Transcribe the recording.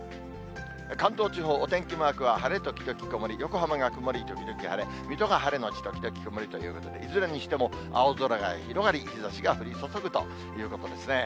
関東地方、お天気マークは晴れ時々曇り、横浜が曇り時々晴れ、水戸が晴れ後時々曇りということで、いずれにしても青空が広がり、日ざしが降り注ぐということですね。